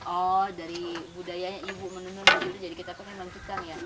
oh dari budaya ibu menenun dulu jadi kita penelanjutkan ya